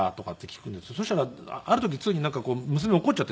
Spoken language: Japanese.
そしたらある時ついになんか娘怒っちゃって。